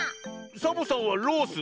サボさんは「ロース」。